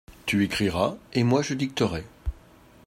Tu écriras, et moi je dicterai.